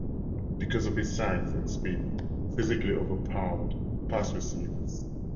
Because of his size and speed, he physically overpowered pass receivers.